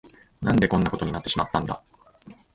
何でこんなことになってしまったんだ。